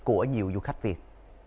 của nhiều du khách việt